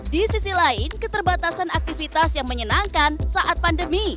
di sisi lain keterbatasan aktivitas yang menyenangkan saat pandemi